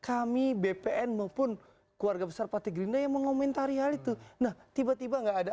kami bpn maupun keluarga besar partai gerinda yang mengomentari hal itu nah tiba tiba enggak ada